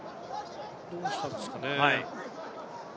どうしたんですかね？